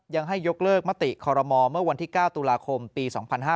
ยังให้ยกเลิกมติคอรมอเมื่อวันที่๙ตุลาคมปี๒๕๕๙